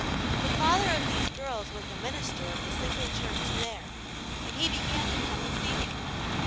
. The father of these girls was the minister of the single church there, and he began to come and see me.